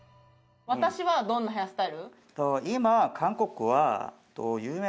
私はどんなヘアスタイル？